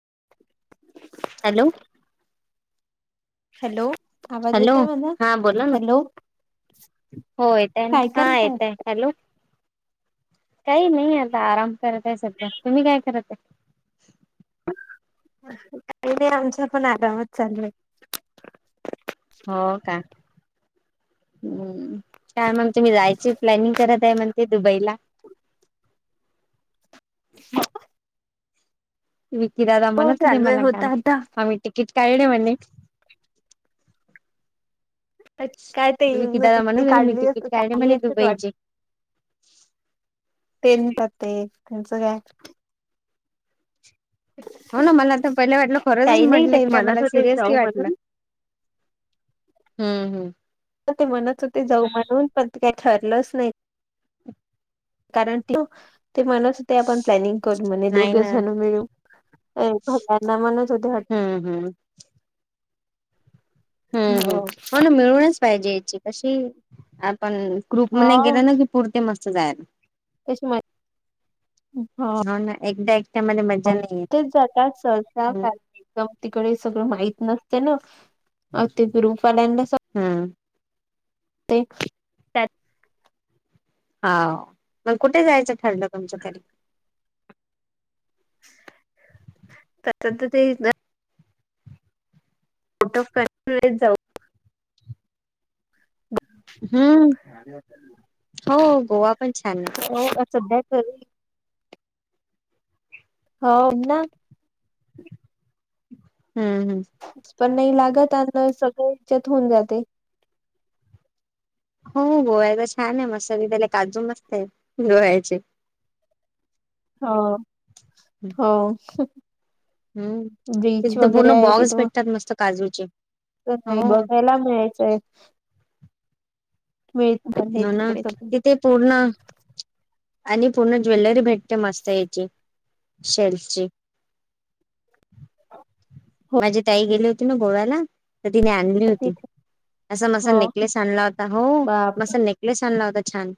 [unintelligible] Hello hello आवाज hello येतोय माझा हा बोला ना हॅलो हो येत आहे काय हा करताय येतय हॅलो काही नाही आता आराम करत आहे सध्या तुम्ही काय करत आहे काही नाही आमचा पण आरामच चाललंय हो का हम् काय मग तुम्ही जायची प्लॅनिंग करत आहे मण ते दुबईला हा विकी दादा म्हणत होते चालू आहे मला काल होता आता आ म्ही टिकीट काळडे म्हणे काय विकी दादा तेईलनी म्हणत होते मी काढली तिकीट अस काढले काढली म्हणे असेल वा दुबईची ते म्हतात ते त्यांचं काय हो ना मला आता पहिलं वाटलं खरंचच काही नाही म्हटलं ते का म्हणत मला होते जाऊ सिरियसली वाटलं म्हणून हम्म हम्म ते म्हणत होते जाऊ म्हणून पण काय ठरलंच नाही कारण ते म्हणत ते आपण प्लॅनिंग करू म्हणे नाही दोघे ना जणं मिळू ए भगवाना म्हणत होते हम् हम्म हम् हो ना मिळूनच पाहिजे याची कशी पण क्रुप म गेलं ना की पुरते मस्त जायला तेसम हा हो ना एकट्या एकट्यामध्ये [inaudible] मजा हो नाही येत. तेच जातात [inaudible] तिकडे सगळं माहित नस त ना आ ते प [unintelligible] हम्म ते हा मग कुठे जायचं ठरलं तुमच्या तरी [inaudible] तर तिथे फोटोमुळे जाऊ [inaudible] हम्म हो गोवा पण छान आहे हो सध्या कर हो ना हम्म हम् पण नाही लागत अलं सगळं हच्यात होऊन जाते हो गोव्याचा छान आहे मस्तरी त्याला काजू मस्त आहे गोव्याचे हा हा हम्म तिथं तर पूर्ण बॉक्स भेटतात मस्त काजूचे तर हो नाही बघायला मिळायचंय मिळत पण हे हो ना तिकडे सगळं तिथे पूर्ण आणि पूर्ण ज्वेलरी भेटते मस्त याची शेलचे हो माझ ताई गेले होती ना गोव्याला तिने आणली होती तिथे असा म हो नेकलेस आणला होता हो बाप म नेकलेस आणला होता छान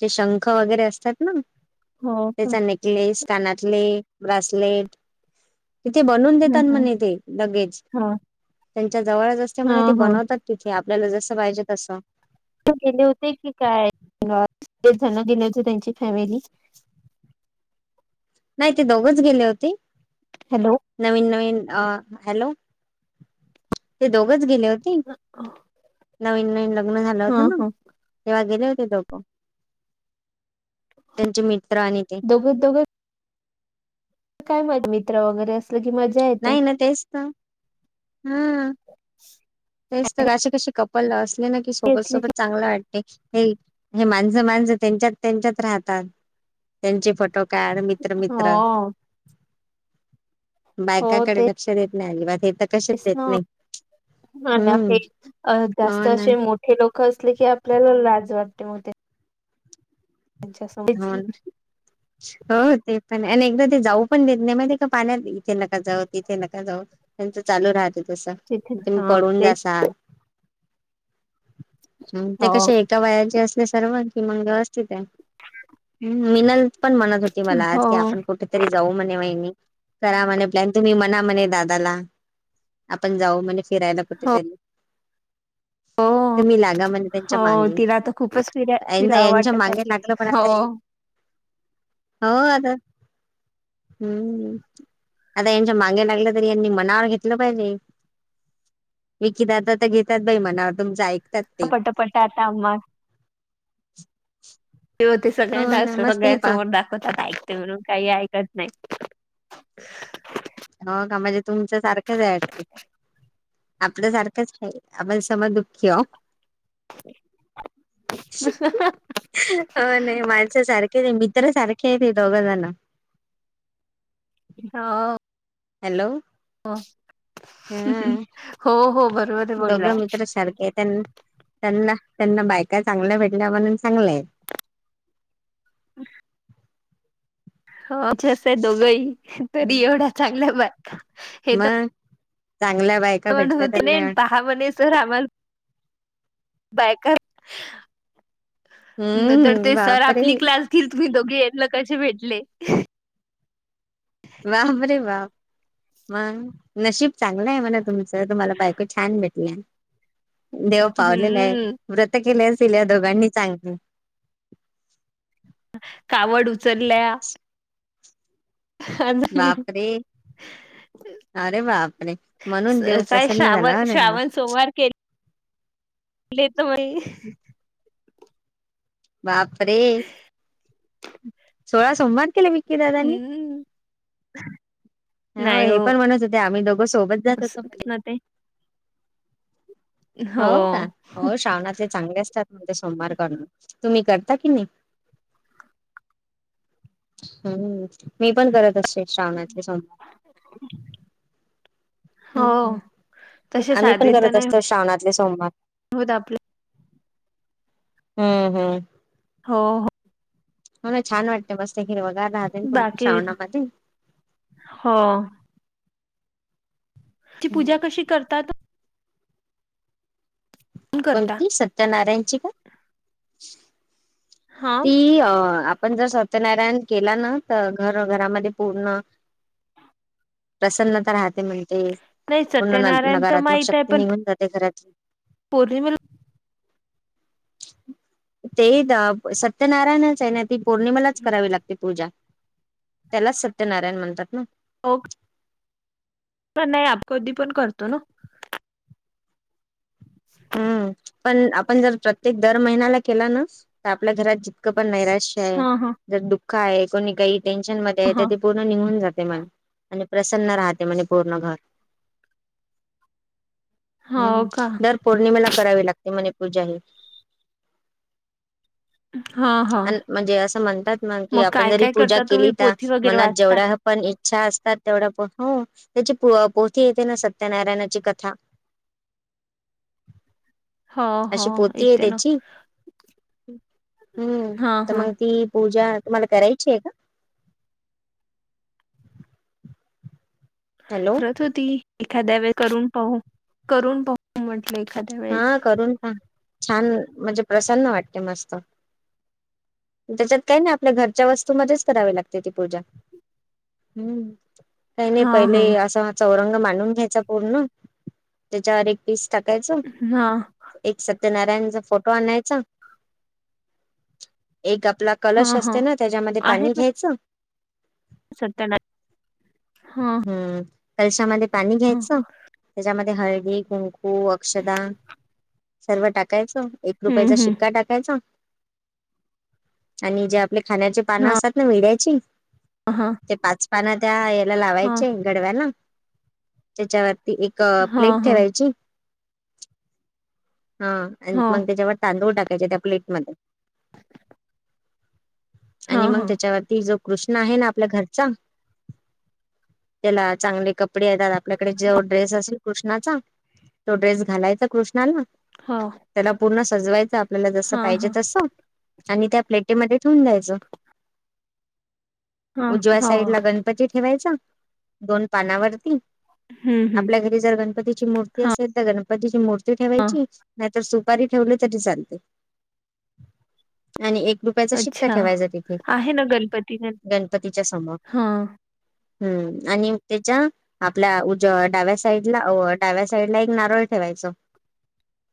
ज शंख वगैरे असतात ना हो का त्याचा नेकलेस कानातले ब्रासलेट तिथे बनून हम्म तात हम्म म्हने ते लगेच हा त्यांच्या जवळंच असते हा म्हने ते हा बनवतात तिथे आपल्याला जसं पाहिजे तसं गेले होते की काय जना गेले होते त्यांची फॅमिली [inaudible] नाही ते दोघंच गेले होते हॅलो नवीन नवीन अ हॅलो ते दोघच गेले होते नवीन नवीन लग्न झालं हा होत ना हा तेव्हा गेले होते ते दोघं त्यांचे मित्र आणि ते दोघे दोघे काय माहित मित्र वगैरे अस नाही ना तेच तर हम् तेच तर अे कशी कपल असले ना की सोबत असली की सोबत चांगलं वाटते हे माणसं माणसं त्यांच्यात त्यांच्यात राहतात त्यांचे फोटो काड मित्र मित्र हो हो बायकाकडे लक्ष देत नाही अजिबात हे तर कशेच तेच देत ना नाही ह हम्म हे हो जास्त ना असे मोठे लोकं असले की आपल्याला लाज वाटते मोठे हो हो ते पण आणि एकदा ते जाऊ पण देत नाही माहि का पाण्यात इथे नका जाऊ तिथे नका जाऊंत चालू राहत तस तिथे तुम्ही हा पडून ते जासाल ह ते हो कसे एका वयाचे असले सर्व कि मंग असते ते ह् मिनल पण म्हणत होती मला हो आज की आपण कुठेतरी जाऊ म्हणे वाहिनी करा म्हणे प्लॅन तुम्ही म्हणा म्हणे दादाला आपण जाऊ म्हणे फिरायला कुठे तरी हो तुम्ही लागा म्हणजे त्यांच्या हो मागे तिला तर खूपच फिरा फिरावं यांच्या वाटत आहे मागे लागलं हो आता हम्म आता यांच्या मागे लागले तरी यांनी मनावर घेतलं पाहिजे विकी दादा तर घेतात बाई म्हणावर तुमचं ऐक प पटपट आता आम्हा [inaudible] ते होते हो सगळ्यांना ना मस्त सगळ्यां हे पा समोर दाखवतात ऐकते म्हणुन काही ऐकत नाही. [inaudible] हो का म्हणजे तुमच सारखंच आहे. आपल्या सारखंच नाही आपण सम दुःखी हो [inaudible] अ नाही माणस सारखेच मित्र सारखे खती तोघ जा ना [unintelligible] होव हॅलो हा- हा हो हो बरोबर दोघं बोललाय मित्र सारखे आहे. त्यां त्यांना त्यांना बायका चांगल्या भेटल्या म्हणून चांगलं आहे ह [inaudible] हो अच्छे हं दोघंही तरी आहेत एवढ्या चांगल्या बाय मग चांगल्या बायका भेटल्या होती तर नाही पहा म्हणे सर आम्हाला बायका न तर हम्म ते सर बापरे आपली क्लास घली म्ही दोघे [unintelligible] आपलं कसे भेटले बापरे बाप मग नशीब चांगलंय म्हणा तुमचं तुम्हाला बायको छान भेटल्या. देव पावलेला आहे हम्म व्रत केलेस ल्या दोघांनी चांगली कावड उचलल्या अ [inaudible] बापरे अरे बापरे म्हणून देव काय प्रसन्न श्राव झाला त्यांना श्रावण सोमवार केले केलेत न बाई बापरे सोळा सोमवार केले मी हमं ह हे पण म्हणत होते आम्ही दोघं सोबत जात होतो म्हणे ना ते हो होव का हो श्रावणाचे चांगले असतात म्हणजे सोमवार करणं तुम्ही करता की नाही हम्म मी पण करत असते. श्रावणातले सोमवार हो हम् तसे आम्ही पण साधे तर करत नाही असतो श्रावणातले सोमवार होत आपले हम्म हम्म हो हो हो ना छान वाटतं मस्त हिरवं गार राहते पुर्ण बाकी श्रावणामध्ये ती हम्म. पुजा कशी करतात? करता कोणती सत्यनारायणची का? हा ती अं पण जर सत्यनारायण केला ना तर घर घरामध्ये पूर्ण प्रसन्नता राहते म्हणते नाही पूर्ण न सत्यनारायण तर नकारात्मक माहित आहे शक्ती पण निघून जाते घरात पौर्णिमेला ते तर सत्यनारायणच आहे ना? ती पौर्णिमालाच करावी लागते पूजा त्यालाच सत्यनारायण म्हणतात ना पण नाही आप कधी पण करतो ना हम्म पण आपण जर प्रत्येक दर महिन्याला केला ना तर आपल्या घरात जितकं पण नाही राहि हा हा जर दुःख आहे कोणी काही टेन्शन मध्ये तर हा ते पूर्ण निघून जाते मन प्रसन्न राहते म्हणजे पूर्ण घर हो हम का दर मला करावी लागते मणी पूजाही हम्म. अ म्हणजे असं म्हणतात मग कि आपण काय जरी काय पूजा करता केली तुम्ही तर पोथी वगैरे मनात वाचता जेवढा पण इच्छा असतात तेवढ्या प हो त्याची पोती येते ना सत्यनारायणाची कथा ह अशी पोथी आहे येते ना त्याची हम्म हा तर हा मग ती पूजा तुम्हाला करायची आहे का? हॅलो रथ होती एखाद्या वेळ करून पाहू करून पाहू म्हटलं एखाद्या वेळेस हा करून पहा छान म्हणजे प्रसन्न वाटते मस्त त्याच्यात काही नाही आपल्या घरच्या वस्तूमध्येच करावी लागते ती पूजा हम्म काही नाही हा हा पहिले असा चौरंग मांडून घ्यायचा पूर्ण त्याच्यावर एक पीस टाकायचं हा. ते नारायणचा फोटो आणायचा एक आपला कलश हा हा असते ना त्याच्यामध्ये आहे पाणी ना घ्यायचं सत्यनारायण हा हम्म कलशामध्ये पाणी हा घ्यायचं त्याच्यामध्ये हळदी कुंकू अक्षदा सर्व टाकायचं एक हम्म रुपयाचा हम्म शिक्का टाकायचा आणि ज्या आपले खाण्याची पानं हा असतात ना विड्याची हा. पान त्या याला हा लावायचे गडव्याला त्याच्यावर ती एक हा प्लेट हा ठेवायची हा आणि हो मग त्याच्यावर तांदूळ टाकायचे त्या प्लेटमध्ये हा आणि मग हा त्याच्यावरती जो कृष्ण आहे ना आपल्या घरचा त्याला चांगले कपडे येतात आपल्याकडे जो ड्रेस असेल कृष्णाचा तो ड्रेस घालायचा कृष्णाला हो त्याला पूर्ण सजवायचं आपल्याला जसं हा पाहिजे हा तसं आणि त्या प्लेटीमध्ये ठेवून द्यायचं उजव्या हा हो साईड ला गणपती ठेवायचा दोन पानावरती हम्म आपल्या हम्म घरी जर गणपतीची मूर्ती असेल तर गणपतीची मूर्ती हा ठेवायची सुपारी ठेवली तरी चालते आणि एक रुपयाचा शिक्का अच्छा ठेवायचा तिथे आहे ना गणपती गण गणपतीच्या समोर हा हम्म आणि त्याच्या आपल्या उज डाव्या साईडला डाव्या साईड ला एक नारळ ठेवायचा ठेवायचा. [inaudible]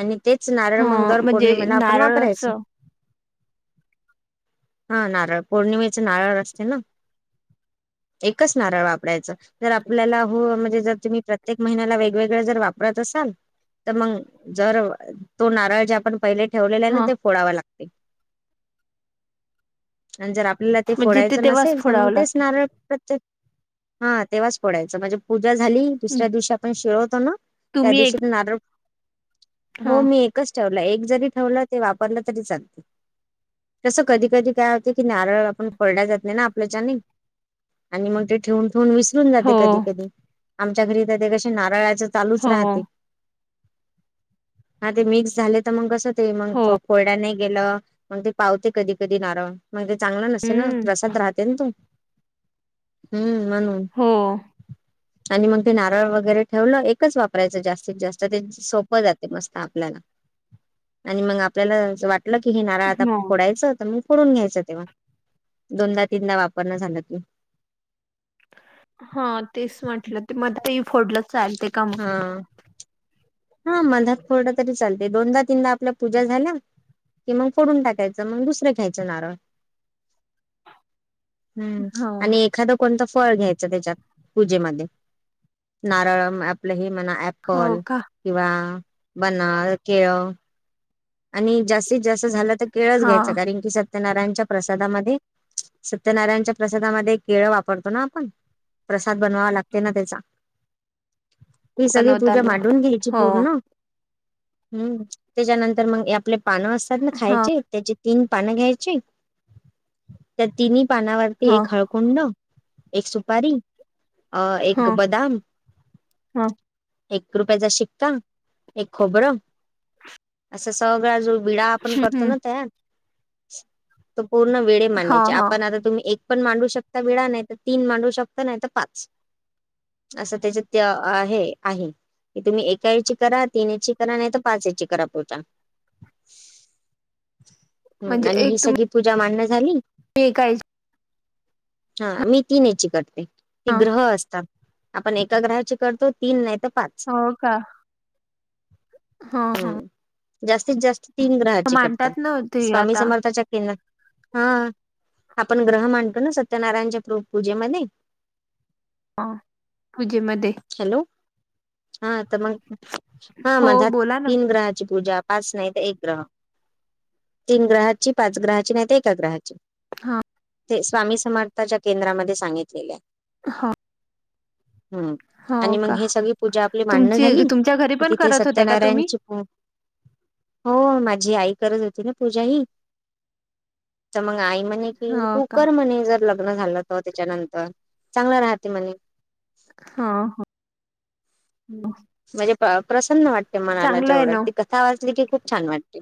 आणि तेच नारळ हा मंग दर म्हणजे पौर्णिमेला आपण नारळ वापरायच असं हा नारळ पौर्णिमेचे नारळ असते ना [inaudible] एकच नारळ वापरायचं जर आपल्याला हो म्हणजे जर तुम्ही प्रत्येक महिन्याला वेगवेगळं जर वापरत असाल तर मग जर तो नारळ जे आपण पहिले ठेवलेला आहे ना हा ते फोडाव लागत अंजरा आपला ते म्हणजे फोडायचं तेव्हाच नसेल तर मग फोडावं तेच लागते. नारळ प्रत्येक हा तेव्हाच फोडायचं म्हणजे पूजा झाली हं, दुसऱ्या दिवशी आपण शिळवतो ना त्या तुम्ही एक दिवशी नारळ हा हो मी एकच ठेवलं एक जरी ठेवलं ते वापरलं तरी चालते तसं कधी कधी काय होत की नारळ आपण फळड जात नाही ना आपल्याच्यानी आणि मग ते ठेवून ठून विसरून हो जाते कधी कधी आमच्या घरी तर ते कश नारळाच चालूच हो राहते हा ते मिक्स झाले तर मग कस ते मग हो फोरडा नाही गेलं मग ते पावते कधी कधी नार मग ते चांगलं नसते ना हम्म प्रसाद राहते ना तू हम्म म्हणून हा आणि मग ते नारळ वगैरे ठेवलं एकच वापरायचं जास्तीत जास्त ते सोप जाते मस्त आपल्याला आणि मग आपल्याला वाट की हेि नारा आता हो फोडायचं मग फोडून घ्यायचं तेव्हा दोनदा तीनदा वापरणं झालं त हा तेच म्हटलं ते म ते फोडलं चाल हा हा मधात फोरडं तरी चालते दोनदा तीनदा आपल्या पूजा झाल्या कि मग फोडून टाकायचं मग दुसरं घ्यायचं नारळ [inaudible] हम्म हो आणि एखादा कोणत फळ घ्यायच त्याच्यात पूजेमध्ये नारळ आपलं हे म्हणा हो ऍपल का किंवा बना केळ आणि जास्तीत जास्ती झा तर केळच हा घ्यायच कारण की सत्यनारायच्या प्रसादामध्ये सत्यनारायणच्या प्रसादामध्ये केळ वापरतो ना आपण प्रसाद बनवावा लागते ना त्याचा मी सगळी पूजा बनवताना मांडून घ्यायची हो पूर्ण हम्म त्याच्यानंतर तर मग आपले पानं असतात ना हा खायचे त्याचे तीन पानं घ्यायचे त्या तिनही पानावरती हा एक हळकुंड एक सुपारी अ हा एक बदम हा एक कृपयाचा शिक्का एक खोबरं असं सग सळा जो विडा आपण करतो हम्म ना तयार पूर्ण वेळ हा मांडायची हा आपण आता तुम्ही एक पण मांडू शकता वेळा नाही तर तीन मांडू शकता नाही तर पाच असं त्याच्या ते आहे आहे की तुम्ही एका याची करा तीन ए ची करा नाही तर पाच याची करा पोत का हम्म म्हणजे आणि एक हि सगळी तुम्ही पूजा मान्य झाली एका याच्या हा मी तीन याची करते ती हा ग्रह असतात आपण एका ग्रहाची करतो तीन नाही तर पाच हो का हा हा हम्म जास्तीत जास्त तीन ग्रहाची करतात मांडतात ना ते स्वामी आता समर्थाच्या केिंद हा आपण ग्रह मांडतो ना सत्यनारायणच्या पूजेमध्ये हा पूजेमध्ये हॅलो हा तर मग हा हो मझ्या बोला ना तीन ग्रहाची पूजा पाच नाही तर एक ग्रह, तीन ग्रहाची, पाच ग्रहाची नाही तर एका ग्रहाची. हा! ते स्वामी समर्थाच्या केंद्रामध्ये सांगितलेले. हा! हूं! आणि मग हे सगळी पूजा आपली मांडणं तुमची झाली, तुमच्या घरी की पण तिथे करत होत्या का तुम्ही सत्यनारायणची पो हो माझी आई करत होती ना पूजा ही, त मग आई म्हणे की हो तू का कर म्हणे ज लग्न झालं त त्याच्यानंतर चांगलं राहते म्हणे हा हा! म्हणजे प्रसन्न वाटते मनाला चांगलं आहे जेवढ, ना ती कथा वाचली की खूप छान वाटतेय